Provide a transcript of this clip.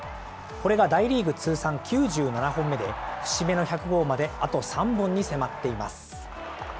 これが大リーグ通算９７本目で、節目の１００号まであと３本に迫っています。